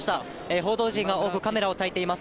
報道陣が多くカメラをたいています。